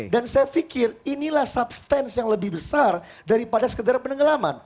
dan saya pikir inilah substance yang lebih besar daripada sekedar penenggelaman